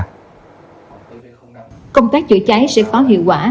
công tác chữa cháy sẽ có hiệu quả